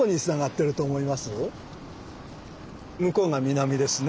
向こうが南ですね。